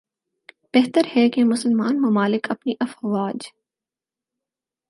بہتر ہے کہ مسلمان ممالک اپنی افواج